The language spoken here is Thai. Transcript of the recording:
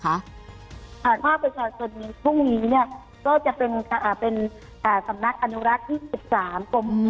ภาคประชาชนพรุ่งนี้เนี่ยก็จะเป็นสำนักอนุรักษ์ที่๑๓กรม๖